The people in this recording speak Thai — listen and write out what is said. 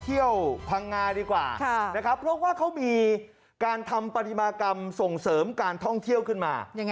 พังงาดีกว่านะครับเพราะว่าเขามีการทำปฏิมากรรมส่งเสริมการท่องเที่ยวขึ้นมา